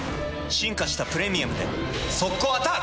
進化した「プレミアム」で速攻アタック！